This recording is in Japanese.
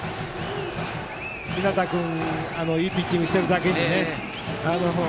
日當君がいいピッチングをしているだけにね。